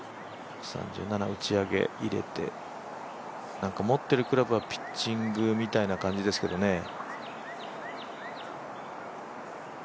打ち上げ入れてなんか持ってるクラブはピッチングみたいですね。